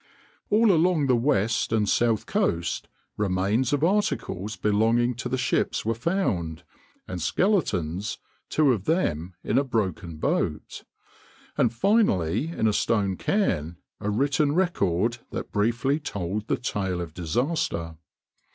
All along the west and south coast remains of articles belonging to the ships were found, and skeletons—two of them in a broken boat; and finally in a stone cairn a written record that briefly told the tale of disaster.